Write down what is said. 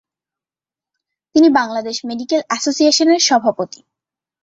তিনি বাংলাদেশ মেডিকেল অ্যাসোসিয়েশনের সভাপতি।